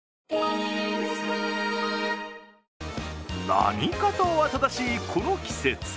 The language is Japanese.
何かと慌ただしいこの季節。